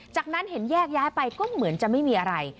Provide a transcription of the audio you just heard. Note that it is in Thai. จากนั้นเห็นแยกย้ายไปก็เหมือนจะไม่มีอะไร